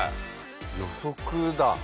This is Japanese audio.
予測だ。